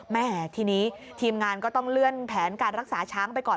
แม่ทีนี้ทีมงานก็ต้องเลื่อนแผนการรักษาช้างไปก่อน